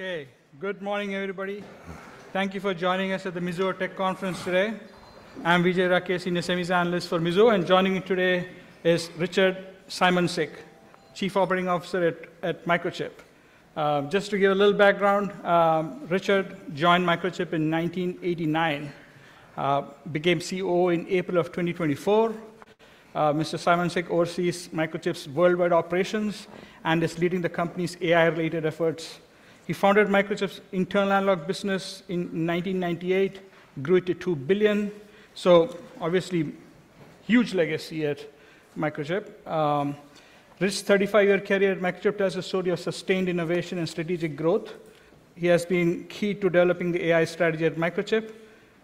Okay. Good morning, everybody. Thank you for joining us at the Mizuho Tech Conference today. I'm Vijay Rakesh, the semis analyst for Mizuho, and joining me today is Richard Simoncic, Chief Operating Officer at Microchip. Just to give a little background, Richard joined Microchip in 1989, became COO in April of 2024. Mr. Simoncic oversees Microchip's worldwide operations and is leading the company's AI-related efforts. He founded Microchip's internal analog business in 1998, grew it to $2 billion. Obviously, huge legacy at Microchip. Rich's 35-year career at Microchip tells a story of sustained innovation and strategic growth. He has been key to developing the AI strategy at Microchip.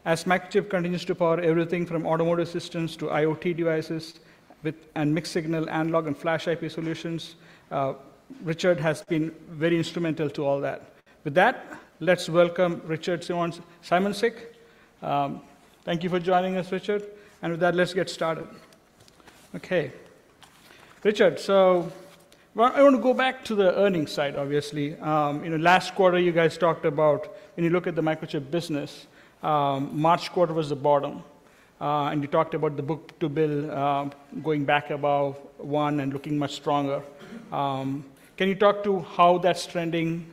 As Microchip continues to power everything from automotive systems to IoT devices and mixed-signal analog and flash IP solutions, Richard has been very instrumental to all that. With that, let's welcome Richard Simoncic. Thank you for joining us, Richard. With that, let's get started. Okay. Richard, I want to go back to the earnings side, obviously. Last quarter, you guys talked about, when you look at the Microchip business, March quarter was the bottom. You talked about the book-to-bill going back above one and looking much stronger. Can you talk to how that's trending?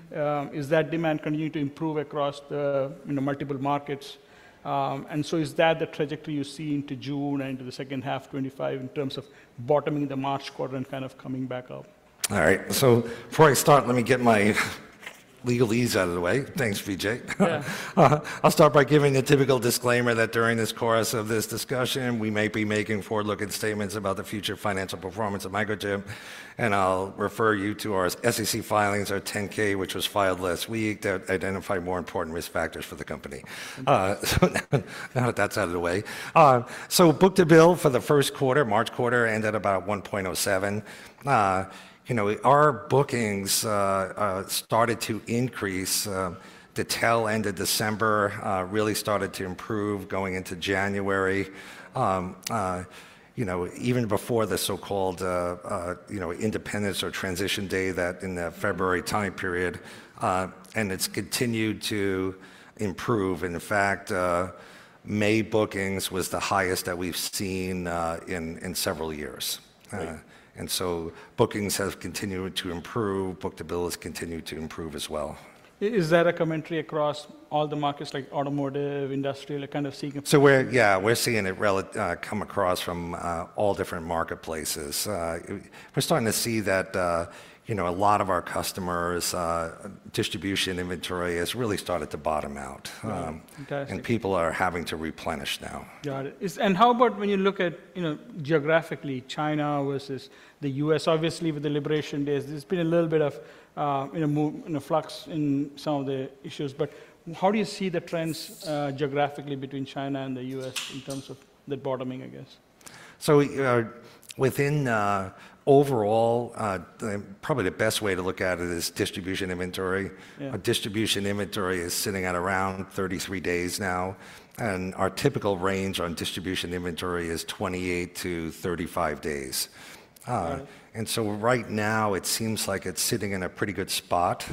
Is that demand continuing to improve across the multiple markets? Is that the trajectory you see into June and into the second half of 2025 in terms of bottoming the March quarter and kind of coming back up? All right. So, before I start, let me get my legalese out of the way. Thanks, Vijay. I'll start by giving the typical disclaimer that during this course of this discussion, we may be making forward-looking statements about the future financial performance of Microchip. And I'll refer you to our SEC filings, our 10-K, which was filed last week to identify more important risk factors for the company. Now that that's out of the way. Book-to-bill for the first quarter, March quarter, ended about 1.07. Our bookings started to increase. The tail end of December really started to improve going into January, even before the so-called independence or transition day in the February time period. It has continued to improve. In fact, May bookings was the highest that we've seen in several years. Bookings have continued to improve. Book-to-bill has continued to improve as well. Is that a commentary across all the markets, like automotive, industrial, kind of seeing? Yeah, we're seeing it come across from all different marketplaces. We're starting to see that a lot of our customers' distribution inventory has really started to bottom out. People are having to replenish now. Got it. How about when you look at geographically, China versus the U.S., obviously, with the liberation days, there's been a little bit of a flux in some of the issues. How do you see the trends geographically between China and the U.S. in terms of the bottoming, I guess? Within overall, probably the best way to look at it is distribution inventory. Distribution inventory is sitting at around 33 days now. Our typical range on distribution inventory is 28-35 days. Right now, it seems like it is sitting in a pretty good spot.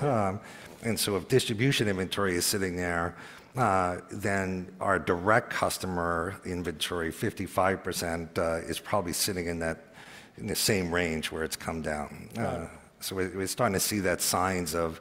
If distribution inventory is sitting there, then our direct customer inventory, 55%, is probably sitting in the same range where it has come down. We are starting to see that signs of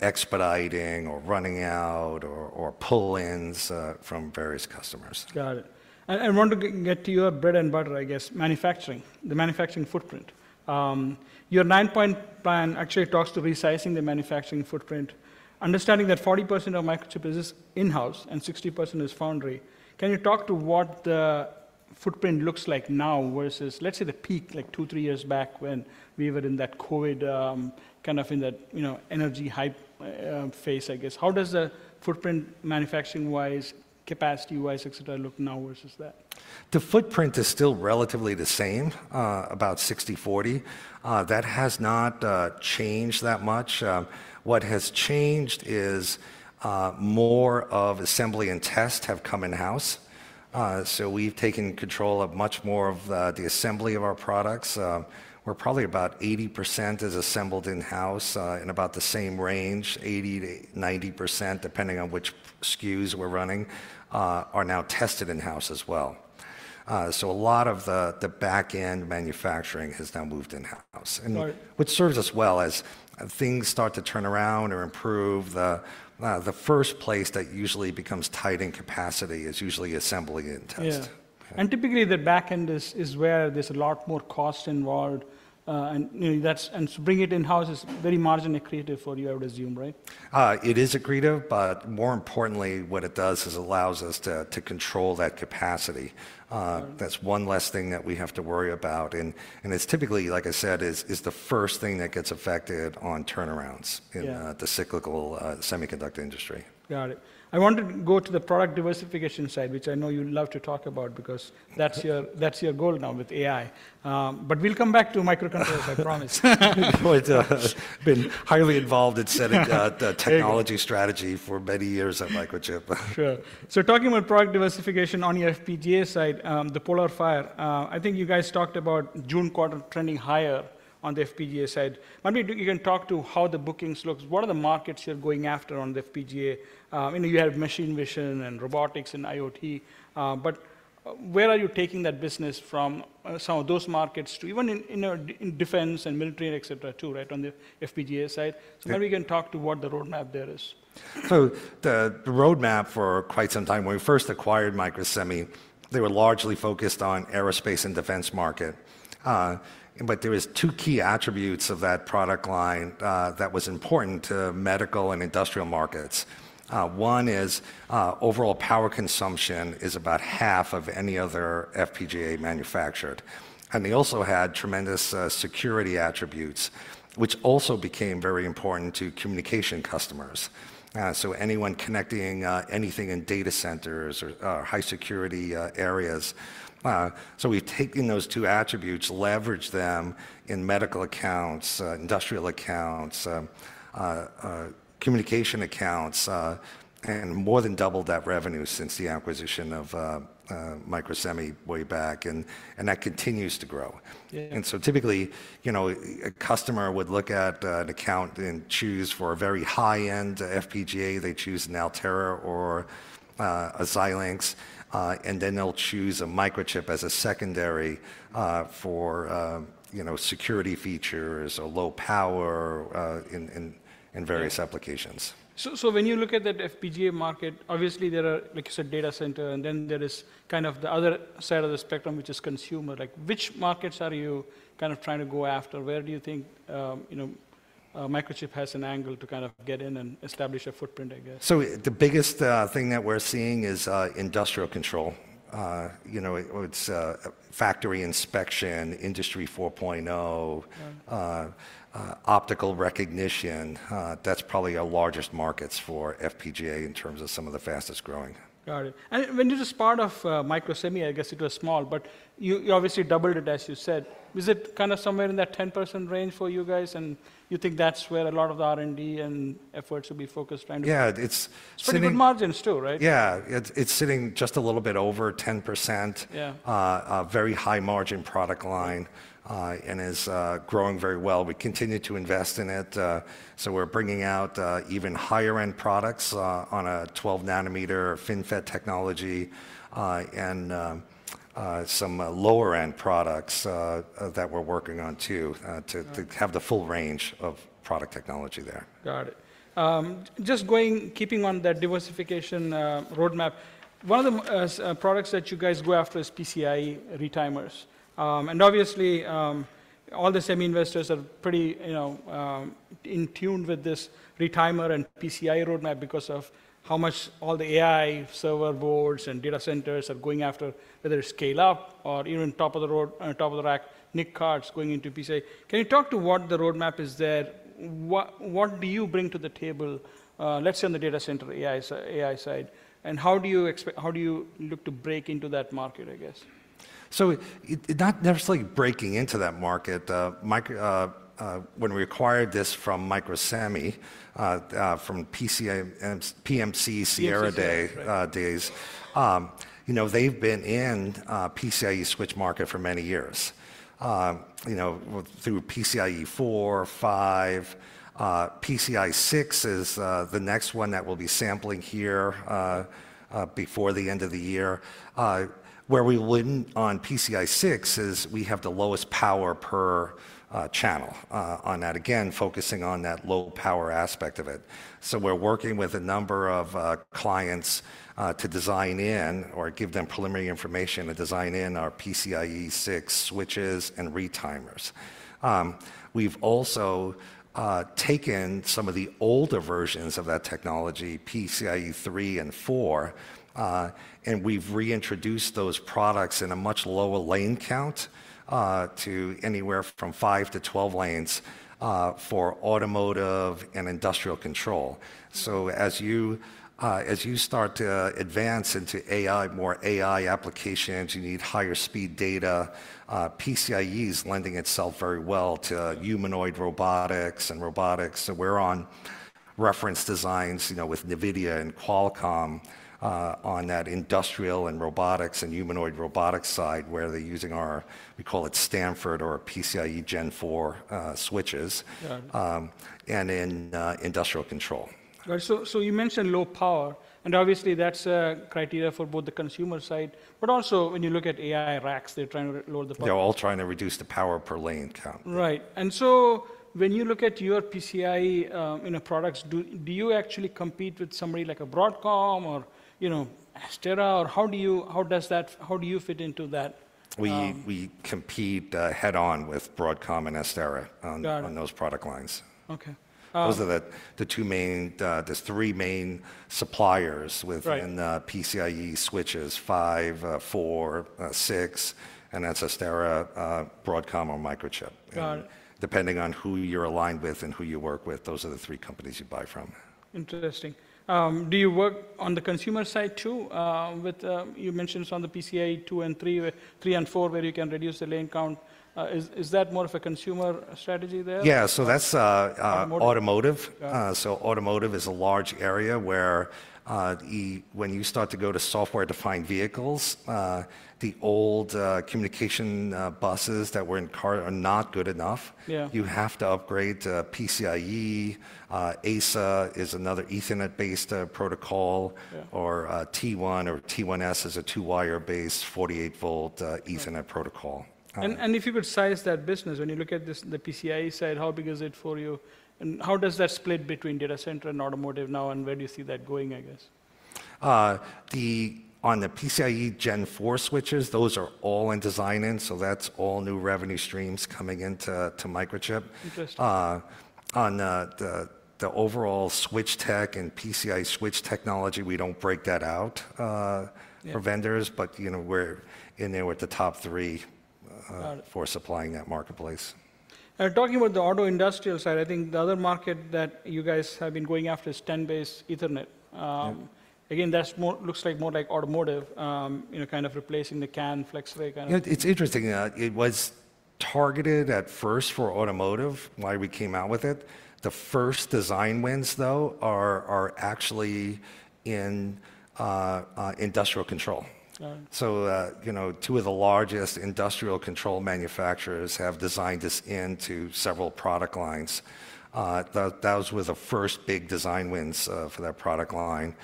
expediting or running out or pull-ins from various customers. Got it. I want to get to your bread and butter, I guess, manufacturing, the manufacturing footprint. Your 9-point plan actually talks to resizing the manufacturing footprint, understanding that 40% of Microchip is in-house and 60% is foundry. Can you talk to what the footprint looks like now versus, let's say, the peak, like two, three years back when we were in that COVID, kind of in that energy hype phase, I guess? How does the footprint, manufacturing-wise, capacity-wise, et cetera, look now versus that? The footprint is still relatively the same, about 60-40. That has not changed that much. What has changed is more of assembly and test have come in-house. We have taken control of much more of the assembly of our products. We are probably about 80% is assembled in-house and about the same range, 80%-90%, depending on which SKUs we are running, are now tested in-house as well. A lot of the back-end manufacturing has now moved in-house. Got it. Which serves us well as things start to turn around or improve. The first place that usually becomes tight in capacity is usually assembly and test. Yeah. Typically, the back-end is where there's a lot more cost involved. To bring it in-house is very marginally accretive for you, I would assume, right? It is accretive, but more importantly, what it does is allows us to control that capacity. That is one less thing that we have to worry about. It is typically, like I said, the first thing that gets affected on turnarounds in the cyclical semiconductor industry. Got it. I want to go to the product diversification side, which I know you love to talk about because that's your goal now with AI. We'll come back to microcontrollers, I promise. I've been highly involved in setting the technology strategy for many years at Microchip. Sure. Talking about product diversification on your FPGA side, the PolarFire, I think you guys talked about June quarter trending higher on the FPGA side. Maybe you can talk to how the bookings look. What are the markets you are going after on the FPGA? You have machine vision and robotics and IoT. Where are you taking that business from, some of those markets, even in defense and military, et cetera, too, right, on the FPGA side? Maybe you can talk to what the roadmap there is. The roadmap for quite some time, when we first acquired Microsemi, they were largely focused on the aerospace and defense market. There were two key attributes of that product line that were important to medical and industrial markets. One is overall power consumption is about half of any other FPGA manufactured. They also had tremendous security attributes, which also became very important to communication customers. Anyone connecting anything in data centers or high-security areas. We have taken those two attributes, leveraged them in medical accounts, industrial accounts, communication accounts, and more than doubled that revenue since the acquisition of Microsemi way back. That continues to grow. Typically, a customer would look at an account and choose for a very high-end FPGA. They choose an Altera or a Xilinx. They'll choose Microchip as a secondary for security features or low power in various applications. When you look at that FPGA market, obviously, there are, like you said, data center. And then there is kind of the other side of the spectrum, which is consumer. Which markets are you kind of trying to go after? Where do you think Microchip has an angle to kind of get in and establish a footprint, I guess? The biggest thing that we're seeing is industrial control. It's factory inspection, Industry 4.0, optical recognition. That's probably our largest markets for FPGA in terms of some of the fastest growing. Got it. When you were part of Microsemi, I guess it was small, but you obviously doubled it, as you said. Was it kind of somewhere in that 10% range for you guys? You think that's where a lot of the R&D and efforts will be focused? Yeah. It's good margins too, right? Yeah. It's sitting just a little bit over 10%, very high-margin product line, and is growing very well. We continue to invest in it. We are bringing out even higher-end products on a 12-nanometer FinFET technology and some lower-end products that we are working on too, to have the full range of product technology there. Got it. Just keeping on that diversification roadmap, one of the products that you guys go after is PCIe retimers. Obviously, all the semi investors are pretty in tune with this retimer and PCIe roadmap because of how much all the AI server boards and data centers are going after, whether it's scale-up or even top of the rack, NIC cards going into PCIe. Can you talk to what the roadmap is there? What do you bring to the table, let's say, on the data center AI side? How do you look to break into that market, I guess? That's like breaking into that market. When we acquired this from Microsemi, from PMC-Sierra days, they've been in the PCIe switch market for many years through PCIe 4, 5. PCIe 6 is the next one that we'll be sampling here before the end of the year. Where we win on PCIe 6 is we have the lowest power per channel on that, again, focusing on that low power aspect of it. We're working with a number of clients to design in or give them preliminary information to design in our PCIe 6 switches and retimers. We've also taken some of the older versions of that technology, PCIe 3 and 4, and we've reintroduced those products in a much lower lane count to anywhere from 5-12 lanes for automotive and industrial control. As you start to advance into more AI applications, you need higher speed data. PCIe is lending itself very well to humanoid robotics and robotics. We're on reference designs with NVIDIA and Qualcomm on that industrial and robotics and humanoid robotics side where they're using our, we call it Stanford or PCIe Gen 4 switches, and in industrial control. Got it. You mentioned low power. Obviously, that's a criteria for both the consumer side, but also when you look at AI racks, they're trying to lower the power. They're all trying to reduce the power per lane count. Right. And so, when you look at your PCIe products, do you actually compete with somebody like a Broadcom or Astera, or how do you fit into that? We compete head-on with Broadcom and Astera on those product lines. Okay. Those are the two main, there's three main suppliers within PCIe switches, 5, 4, 6, and that's Astera, Broadcom, or Microchip. Got it. Depending on who you're aligned with and who you work with, those are the three companies you buy from. Interesting. Do you work on the consumer side too? You mentioned some of the PCIe 2 and 3, 3 and 4, where you can reduce the lane count. Is that more of a consumer strategy there? Yeah. So, that's automotive. Automotive is a large area where when you start to go to software-defined vehicles, the old communication buses that were in cars are not good enough. You have to upgrade to PCIe. ASA is another Ethernet-based protocol, or T1 or T1S is a two-wire-based 48-volt Ethernet protocol. If you could size that business, when you look at the PCIe side, how big is it for you? How does that split between data center and automotive now, and where do you see that going, I guess? On the PCIe Gen 4 switches, those are all in design in. So, that's all new revenue streams coming into Microchip. Interesting. On the overall switch tech and PCIe switch technology, we don't break that out for vendors, but we're in there with the top three for supplying that marketplace. Talking about the auto industrial side, I think the other market that you guys have been going after is 10BASE Ethernet. Again, that looks like more like automotive, kind of replacing the CAN, FlexRay, kind of. It's interesting. It was targeted at first for automotive when we came out with it. The first design wins, though, are actually in industrial control. Two of the largest industrial control manufacturers have designed this into several product lines. That was with the first big design wins for that product line.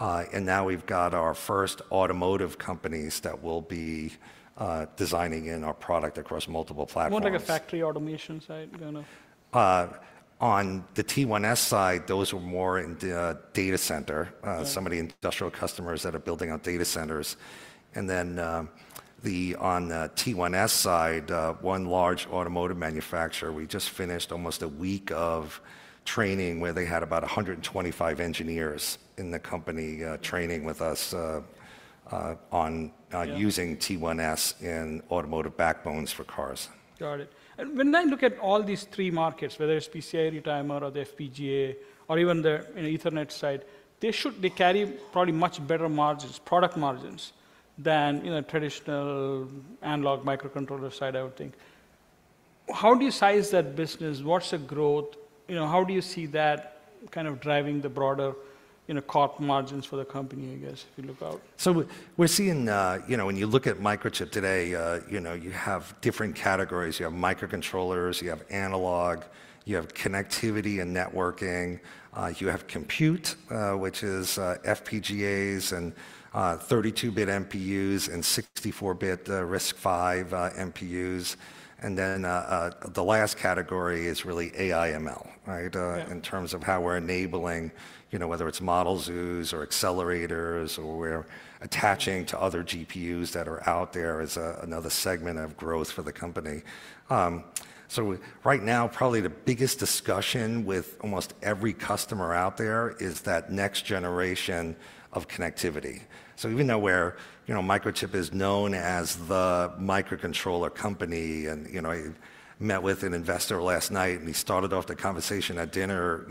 Now we've got our first automotive companies that will be designing in our product across multiple platforms. More like a factory automation side, kind of? On the T1S side, those are more in data center, some of the industrial customers that are building on data centers. On the T1S side, one large automotive manufacturer, we just finished almost a week of training where they had about 125 engineers in the company training with us on using T1S in automotive backbones for cars. Got it. When I look at all these three markets, whether it's PCIe retimer or the FPGA or even the Ethernet side, they carry probably much better margins, product margins, than traditional analog microcontroller side, I would think. How do you size that business? What's the growth? How do you see that kind of driving the broader COP margins for the company, I guess, if you look out? We're seeing, when you look at Microchip today, you have different categories. You have microcontrollers, you have analog, you have connectivity and networking, you have compute, which is FPGAs and 32-bit NPUs and 64-bit RISC-V NPUs. The last category is really AIML, right, in terms of how we're enabling, whether it's model zoos or accelerators or we're attaching to other GPUs that are out there as another segment of growth for the company. Right now, probably the biggest discussion with almost every customer out there is that next generation of connectivity. Even though Microchip is known as the microcontroller company, and I met with an investor last night, and we started off the conversation at dinner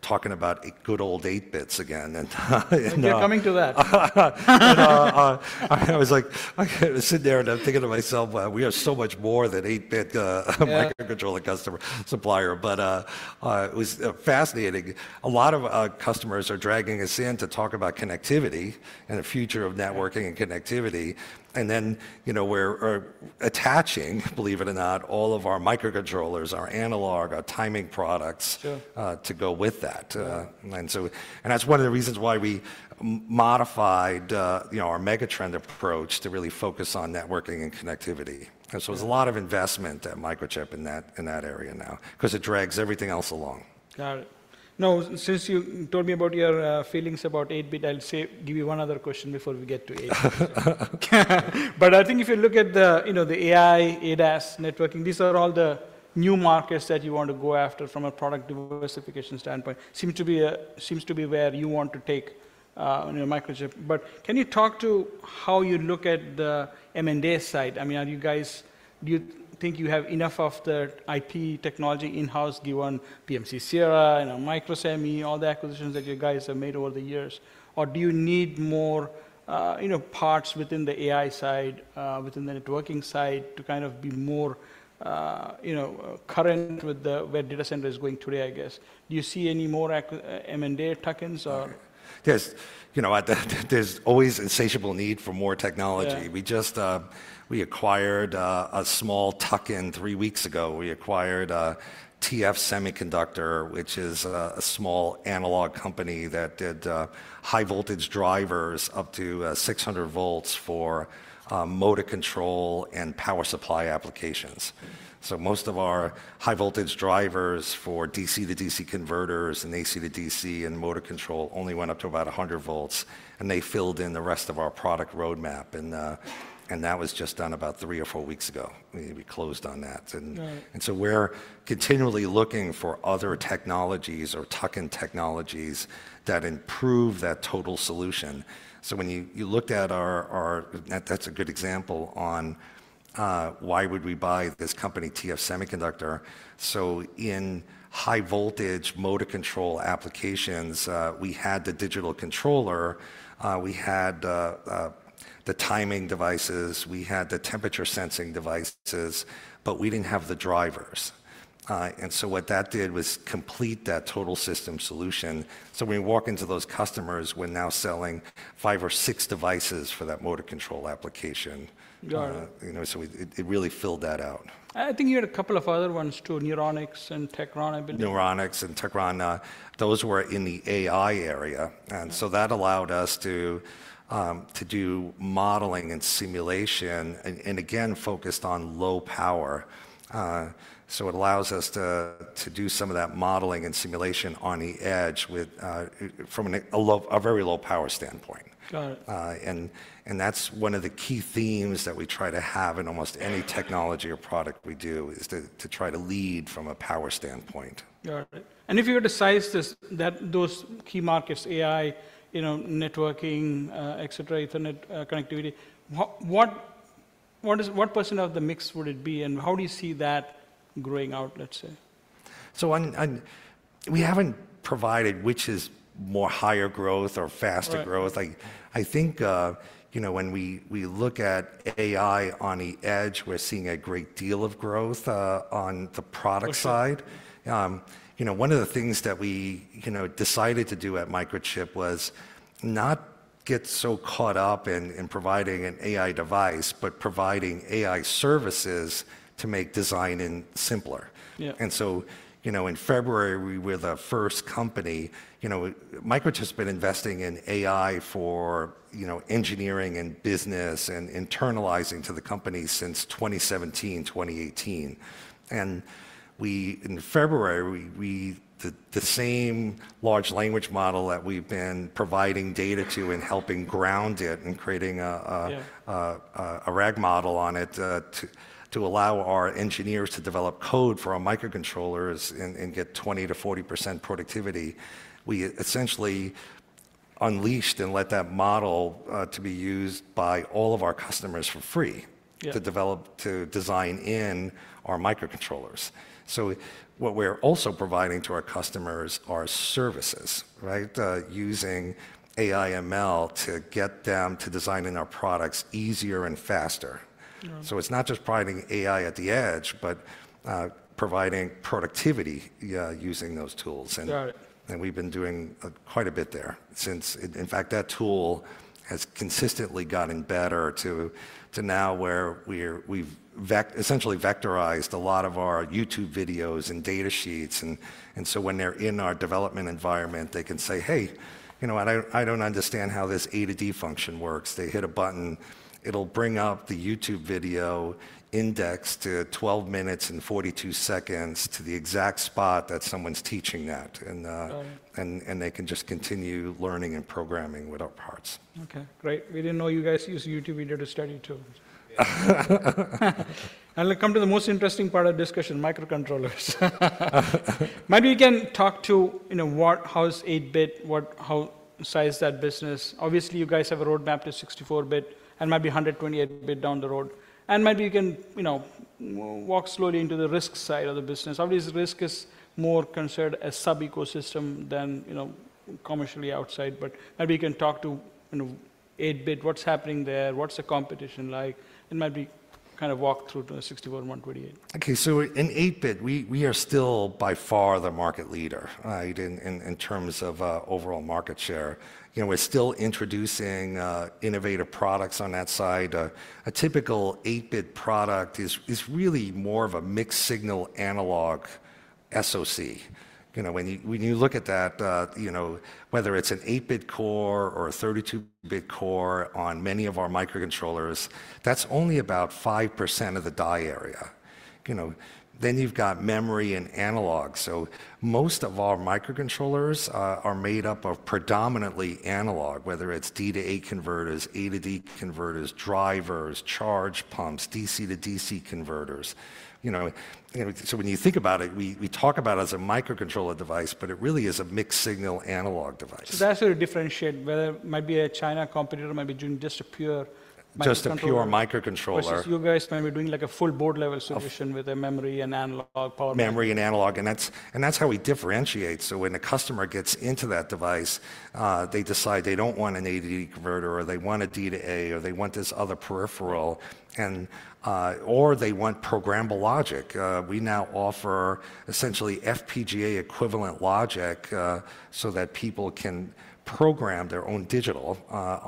talking about good old 8-bits again. We're coming to that. I was like, I'm sitting there and I'm thinking to myself, we are so much more than 8-bit microcontroller customer supplier. It was fascinating. A lot of customers are dragging us in to talk about connectivity and the future of networking and connectivity. We are attaching, believe it or not, all of our microcontrollers, our analog, our timing products to go with that. That is one of the reasons why we modified our Megatrend approach to really focus on networking and connectivity. There is a lot of investment at Microchip in that area now because it drags everything else along. Got it. Now, since you told me about your feelings about 8-bit, I'll give you one other question before we get to 8-bit. I think if you look at the AI, ADAS, networking, these are all the new markets that you want to go after from a product diversification standpoint. Seems to be where you want to take Microchip. Can you talk to how you look at the M&A side? I mean, are you guys, do you think you have enough of the IP technology in-house given PMC-Sierra, Microsemi, all the acquisitions that you guys have made over the years? Or do you need more parts within the AI side, within the networking side to kind of be more current with where data center is going today, I guess? Do you see any more M&A tokens? Yes. There's always insatiable need for more technology. We acquired a small token three weeks ago. We acquired TF Semiconductor, which is a small analog company that did high-voltage drivers up to 600 volts for motor control and power supply applications. Most of our high-voltage drivers for DC to DC converters and AC to DC and motor control only went up to about 100 volts. They filled in the rest of our product roadmap. That was just done about three or four weeks ago. We closed on that. We're continually looking for other technologies or token technologies that improve that total solution. When you looked at our, that's a good example on why would we buy this company, TF Semiconductor. In high-voltage motor control applications, we had the digital controller, we had the timing devices, we had the temperature sensing devices, but we did not have the drivers. What that did was complete that total system solution. When we walk into those customers, we are now selling five or six devices for that motor control application. Got it. It really filled that out. I think you had a couple of other ones too, Neuronics and Techron, I believe. Neuronics and Techron, those were in the AI area. That allowed us to do modeling and simulation, and again, focused on low power. It allows us to do some of that modeling and simulation on the edge from a very low power standpoint. Got it. That is one of the key themes that we try to have in almost any technology or product we do, to try to lead from a power standpoint. Got it. If you were to size those key markets, AI, networking, et cetera, Ethernet connectivity, what percent of the mix would it be? How do you see that growing out, let's say? We have not provided which is more higher growth or faster growth. I think when we look at AI on the edge, we are seeing a great deal of growth on the product side. One of the things that we decided to do at Microchip was not get so caught up in providing an AI device, but providing AI services to make design in simpler. In February, we were the first company. Microchip has been investing in AI for engineering and business and internalizing to the company since 2017, 2018. In February, the same large language model that we've been providing data to and helping ground it and creating a RAG model on it to allow our engineers to develop code for our microcontrollers and get 20%-40% productivity, we essentially unleashed and let that model be used by all of our customers for free to design in our microcontrollers. What we're also providing to our customers are services, right, using AIML to get them to design in our products easier and faster. It's not just providing AI at the edge, but providing productivity using those tools. We've been doing quite a bit there since, in fact, that tool has consistently gotten better to now where we've essentially vectorized a lot of our YouTube videos and data sheets. When they're in our development environment, they can say, "Hey, I don't understand how this A to D function works." They hit a button, it'll bring up the YouTube video index to 12:42 to the exact spot that someone's teaching that. They can just continue learning and programming with our parts. Okay. Great. We did not know you guys use YouTube video to study too. We will come to the most interesting part of the discussion, Microcontrollers. Maybe we can talk to how is 8-bit, how size that business. Obviously, you guys have a roadmap to 64-bit and maybe 128-bit down the road. Maybe we can walk slowly into the RISC side of the business. Obviously, RISC is more considered a sub-ecosystem than commercially outside. Maybe we can talk to 8-bit, what is happening there, what is the competition like, and maybe kind of walk through to the 64-128. Okay. So, in 8-bit, we are still by far the market leader in terms of overall market share. We're still introducing innovative products on that side. A typical 8-bit product is really more of a mixed signal analog SoC. When you look at that, whether it's an 8-bit core or a 32-bit core on many of our microcontrollers, that's only about five percent of the die area. Then you've got memory and analog. Most of our microcontrollers are made up of predominantly analog, whether it's D to A converters, A to D converters, drivers, charge pumps, DC to DC converters. When you think about it, we talk about it as a microcontroller device, but it really is a mixed signal analog device. That's where you differentiate whether it might be a China competitor, might be doing just a Pure Microcontroller. Just a Pure Microcontroller. Versus you guys may be doing like a full board-level solution with a memory and analog power line. Memory and analog. That is how we differentiate. When a customer gets into that device, they decide they do not want an 8-bit converter, or they want a D to A, or they want this other peripheral, or they want programmable logic. We now offer essentially FPGA equivalent logic so that people can program their own digital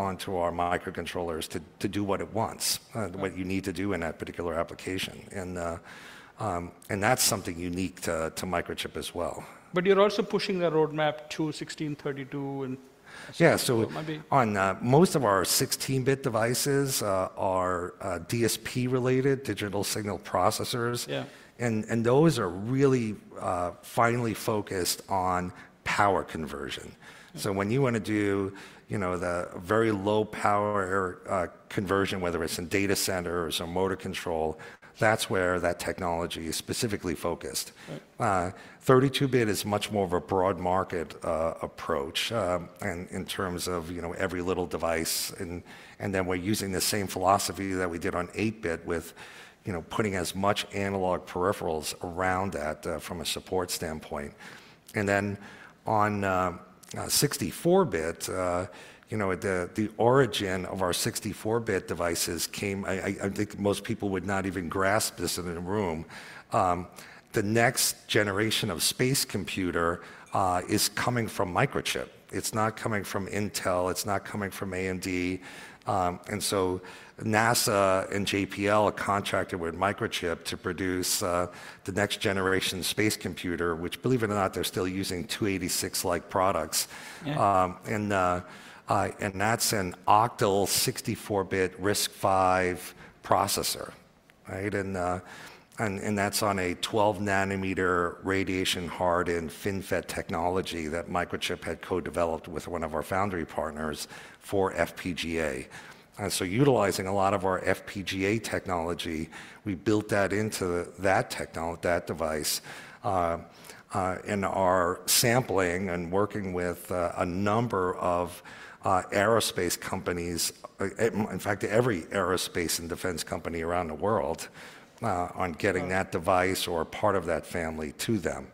onto our microcontrollers to do what it wants, what you need to do in that particular application. That is something unique to Microchip as well. You're also pushing the roadmap to 16, 32 and. Yeah. On most of our 16-bit devices are DSP-related digital signal processors. Those are really finely focused on power conversion. When you want to do the very low power conversion, whether it's in data centers or motor control, that's where that technology is specifically focused. 32-bit is much more of a broad market approach in terms of every little device. We're using the same philosophy that we did on 8-bit with putting as much analog peripherals around that from a support standpoint. On 64-bit, the origin of our 64-bit devices came, I think most people would not even grasp this in the room. The next generation of space computer is coming from Microchip. It's not coming from Intel. It's not coming from AMD. NASA and JPL contracted with Microchip to produce the next generation space computer, which, believe it or not, they're still using 286-like products. That is an octal 64-bit RISC-V processor. That is on a 12-nanometer radiation hardened FinFET technology that Microchip had co-developed with one of our foundry partners for FPGA. Utilizing a lot of our FPGA technology, we built that into that device in our sampling and working with a number of aerospace companies, in fact, every aerospace and defense company around the world on getting that device or part of that family to them.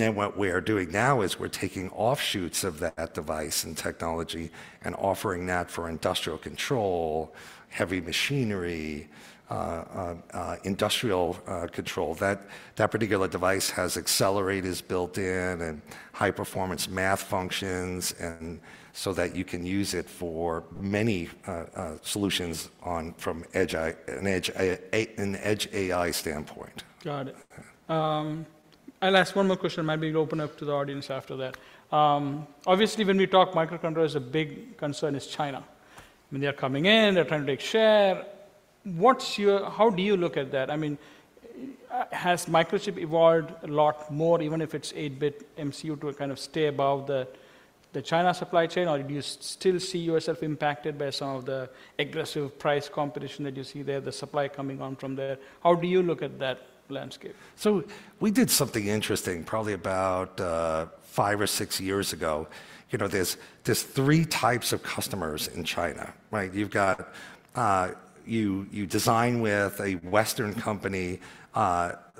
What we are doing now is we're taking offshoots of that device and technology and offering that for industrial control, heavy machinery, industrial control. That particular device has accelerators built in and high-performance math functions so that you can use it for many solutions from an edge AI standpoint. Got it. I'll ask one more question. Maybe we'll open up to the audience after that. Obviously, when we talk microcontroller, a big concern is China. I mean, they're coming in, they're trying to take share. How do you look at that? I mean, has Microchip evolved a lot more, even if it's 8-bit MCU to kind of stay above the China supply chain, or do you still see yourself impacted by some of the aggressive price competition that you see there, the supply coming on from there? How do you look at that landscape? We did something interesting probably about five or six years ago. There are three types of customers in China. You design with a Western company.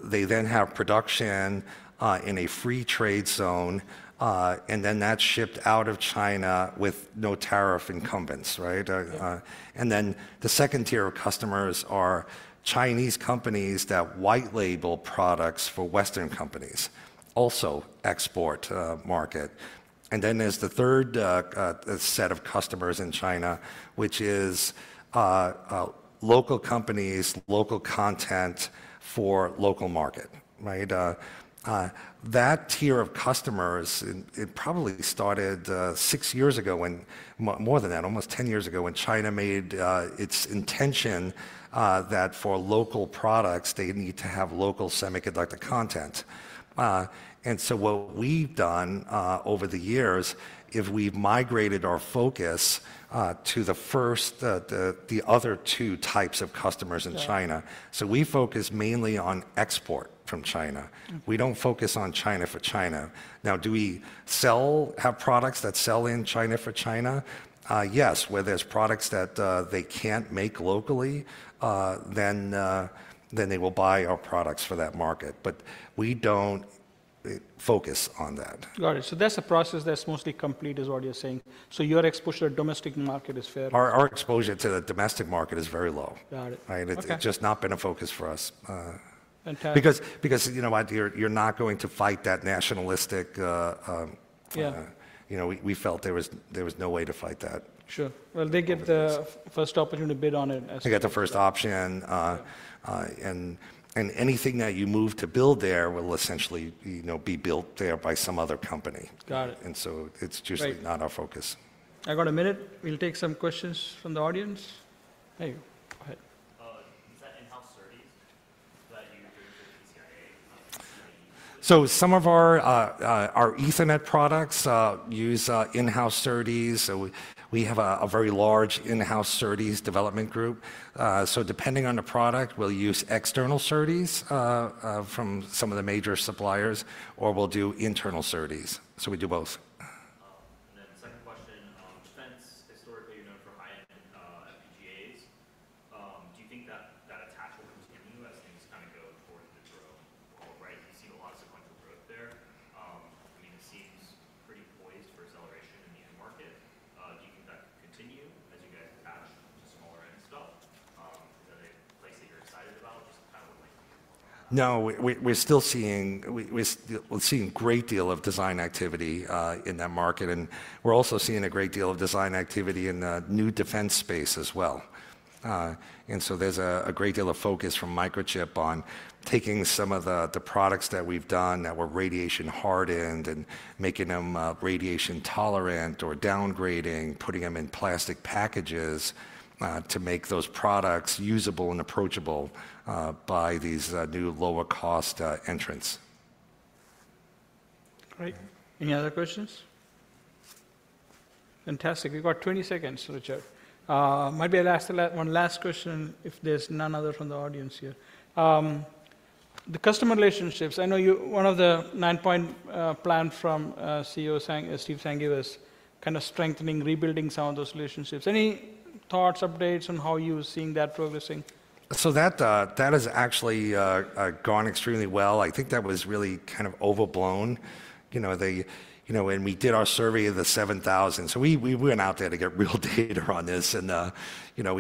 They then have production in a free trade zone, and then that is shipped out of China with no tariff incumbents. The second tier of customers are Chinese companies that white label products for Western companies, also export market. Then there is the third set of customers in China, which is local companies, local content for local market. That tier of customers probably started six years ago and more than that, almost 10 years ago when China made its intention that for local products, they need to have local semiconductor content. What we have done over the years is we have migrated our focus to the other two types of customers in China. We focus mainly on export from China. We do not focus on China for China. Now, do we have products that sell in China for China? Yes. Where there are products that they cannot make locally, then they will buy our products for that market. We do not focus on that. Got it. That's a process that's mostly complete is what you're saying. Your exposure to the domestic market is fair. Our exposure to the domestic market is very low. Got it. Okay. It's just not been a focus for us. Fantastic. Because you're not going to fight that nationalistic. We felt there was no way to fight that. Sure. They get the first opportunity to bid on it. They get the first option. Anything that you move to build there will essentially be built there by some other company. Got it. It is just not our focus. I got a minute. We'll take some questions from the audience. Hey, go ahead. Is that in-house SerDes that you're doing for PCIe? Some of our Ethernet products use in-house SerDes. We have a very large in-house SerDes development group. Depending on the product, we'll use external SerDes from some of the major suppliers, or we'll do internal SerDes. We do both. to make those products usable and approachable by these new lower-cost entrants. Great. Any other questions? Fantastic. We've got 20 seconds to the chat. Maybe I'll ask one last question if there's none other from the audience here. The customer relationships, I know one of the nine-point plan from CEO Sanghi was kind of strengthening, rebuilding some of those relationships. Any thoughts, updates on how you're seeing that progressing? That has actually gone extremely well. I think that was really kind of overblown. When we did our survey of the 7,000, we went out there to get real data on this.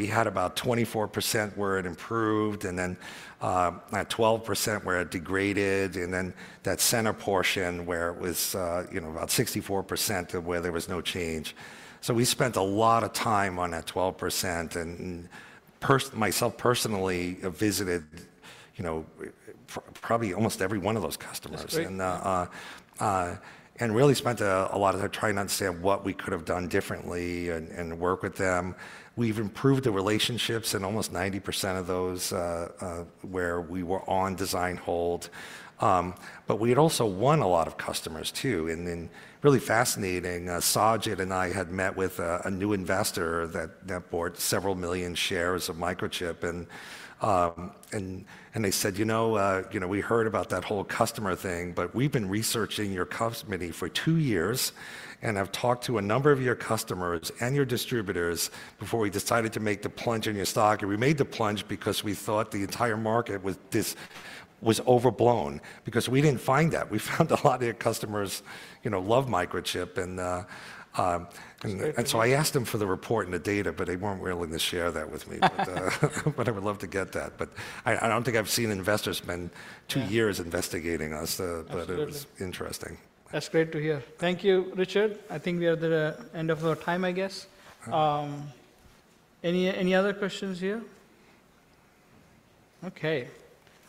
We had about 24% where it improved, 12% where it degraded, and that center portion where it was about 64% where there was no change. We spent a lot of time on that 12%. Myself personally visited probably almost every one of those customers and really spent a lot of time trying to understand what we could have done differently and work with them. We've improved the relationships in almost 90% of those where we were on design hold. We had also won a lot of customers too. Really fascinating, Sajid and I had met with a new investor that bought several million shares of Microchip. They said, "You know, we heard about that whole customer thing, but we've been researching your company for two years and have talked to a number of your customers and your distributors before we decided to make the plunge in your stock." We made the plunge because we thought the entire market was overblown because we did not find that. We found a lot of your customers love Microchip. I asked them for the report and the data, but they were not willing to share that with me. I would love to get that. I do not think I have seen investors spend two years investigating us. It was interesting. That's great to hear. Thank you, Richard. I think we are at the end of our time, I guess. Any other questions here? Okay.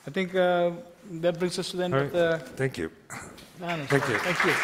I think that brings us to the end. Thank you. Thank you.